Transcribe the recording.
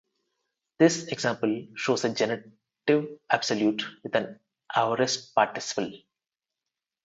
This example shows a genitive absolute with an aorist participle.